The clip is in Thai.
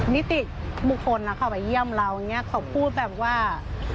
นิติบุคคลเขาไปเยี่ยมเราเขาพูดแบบว่า